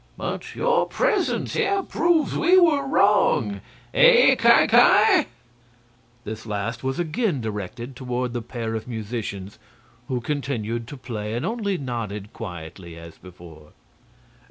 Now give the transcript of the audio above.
"But your presence here proves we were wrong. Eh! Ki Ki?" This last was again directed toward the pair of musicians, who continued to play and only nodded quietly, as before.